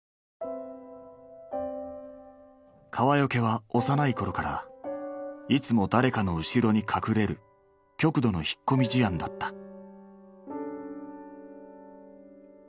川除は幼い頃からいつも誰かの後ろに隠れる極度の引っ込み思案だった。